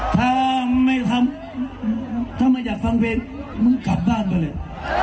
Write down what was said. ถ้าไม่ทำถ้าไม่อยากฟังเพลงมึงกลับบ้านมาเลย